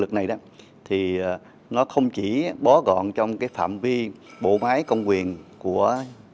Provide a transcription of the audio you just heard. việc này đó thì nó không chỉ bó gọn trong cái phạm vi bộ máy công quyền của